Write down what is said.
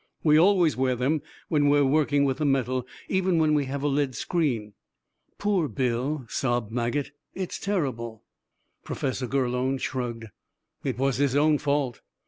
We always wear them when we are working with the metal, even when we have a lead screen." "Poor Bill," sobbed Maget. "It's terrible!" Professor Gurlone shrugged. "It was his own fault.